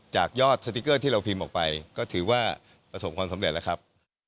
จากยอดสติ๊กเกอร์ที่เราพิมพ์ออกไปก็ถือว่าประสบความสำเร็จแล้วครับ